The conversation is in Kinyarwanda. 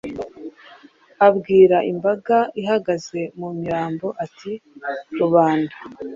abwira imbaga ihagaze mu mirambo ati: “ Rubanda,